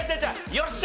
よっしゃ！